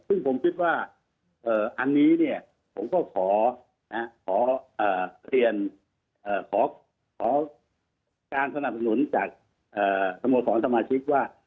ซึ่งผมคิดว่าอันนี้เนี่ยผมก็ขอเรียนขอการสนับสนุนจากสโมสรสมาชิกว่า